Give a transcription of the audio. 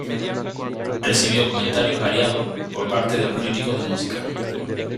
Recibió comentarios variados por parte de los críticos de música.